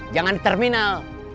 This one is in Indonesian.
jangan di terminal